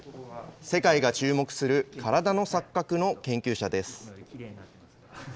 世界が注目する、からだの錯覚の研究者です。